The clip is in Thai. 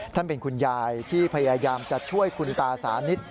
เป็นคุณยายที่พยายามจะช่วยคุณตาสานิท